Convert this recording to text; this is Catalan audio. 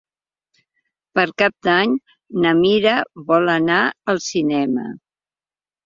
Per Cap d'Any na Mira vol anar al cinema.